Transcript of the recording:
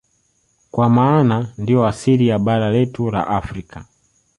Kwa maana ndiyo asili ya bara letu la Afrika